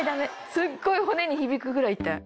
すっごい骨に響くぐらい痛い。